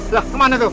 lah kemana tuh